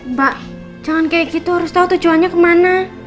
mbak jangan kayak gitu harus tahu tujuannya kemana